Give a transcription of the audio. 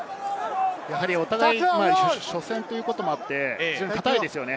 お互い初戦ということもあって硬いですよね。